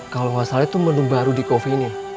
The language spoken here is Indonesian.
kalau nggak salah itu menu baru di kopi ini